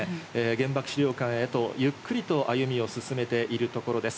原爆資料館へとゆっくりと歩みを進めているところです。